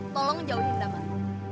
tolong jauhin damar